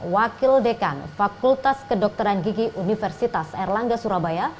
wakil dekan fakultas kedokteran gigi universitas erlangga surabaya